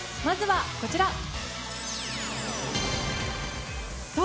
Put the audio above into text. まずはこちら。